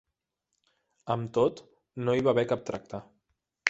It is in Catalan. Amb tot, no hi va haver cap tracte.